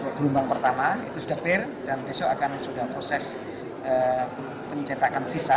gelombang pertama itu sudah clear dan besok akan sudah proses pencetakan visa